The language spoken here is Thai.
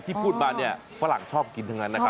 ที่พูดมาฝรั่งชอบกินทั้งนั้นนะครับ